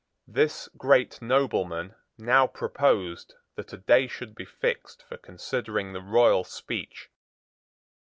This great nobleman now proposed that a day should be fixed for considering the royal speech.